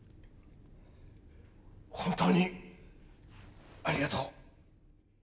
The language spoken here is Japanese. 本当にありがとう。